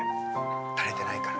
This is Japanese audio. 慣れてないから。